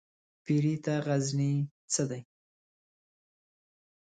پيري ته غزنى څه دى ؟